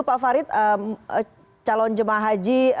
pada hari ini mungkin saya ke pak farid dulu